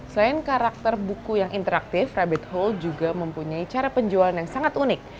selain karakter buku yang interaktif rabbit hole juga mempunyai cara penjualan yang sangat unik